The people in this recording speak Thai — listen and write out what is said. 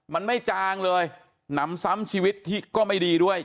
มันไม่จางเลยหนำซ้ำชีวิตที่ก็ไม่ดีด้วย